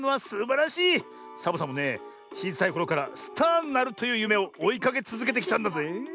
サボさんもねちいさいころからスターになるというゆめをおいかけつづけてきたんだぜえ。